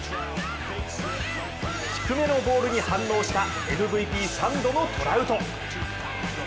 低めのボールに反応したＭＶＰ３度のトラウト。